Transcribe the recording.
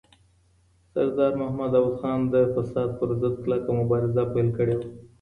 سردار محمد داود خان د فساد پر ضد کلکه مبارزه پیل کړې وه.